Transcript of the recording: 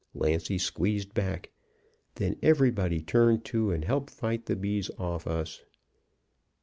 Lancy squeezed back. Then everybody turned to and helped fight the bees off us.